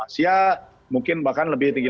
asia mungkin bahkan lebih tinggi